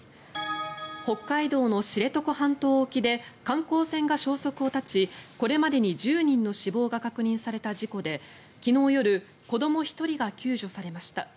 北海道の知床半島沖で観光船が消息を絶ちこれまでに１０人の死亡が確認された事故で昨日夜子ども１人が救助されました。